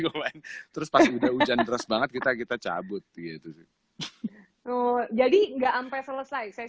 gue main terus pas udah hujan keras banget kita kita cabut gitu sih oh jadi nggak sampai selesai